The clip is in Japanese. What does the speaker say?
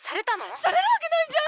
されるわけないじゃん！